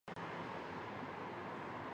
豆梨为蔷薇科梨属下的一个种。